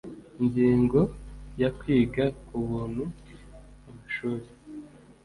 Ingingo ya kwiga ku buntu amashuri